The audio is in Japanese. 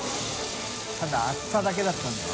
燭暑さだけだったんだよな。